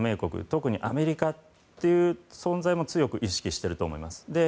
特にアメリカという存在も強く意識していると思います。